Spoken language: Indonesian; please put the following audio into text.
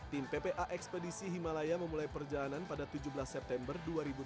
tim ppa ekspedisi himalaya memulai perjalanan pada tujuh belas september dua ribu tujuh belas